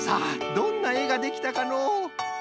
どんなえができたかのう？